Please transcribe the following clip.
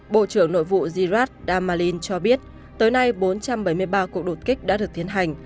bộ trưởng nội vụ zirat damalin cho biết tới nay bốn trăm bảy mươi ba cuộc đột kích đã được tiến hành